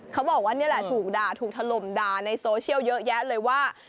เขาบอกว่านี่แหละถูกด่าถูกถล่มด่าในโซเชียลเยอะแยะเลยว่า